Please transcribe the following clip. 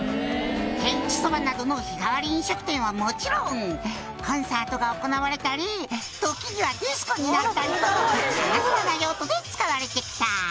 「手打ちそばなどの日替わり飲食店はもちろんコンサートが行われたり時にはディスコになったりとさまざまな用途で使われて来た」